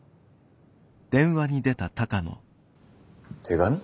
手紙？